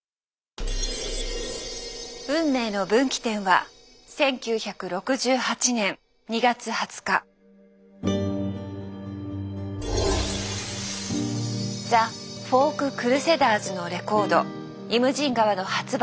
運命の分岐点はザ・フォーク・クルセダーズのレコード「イムジン河」の発売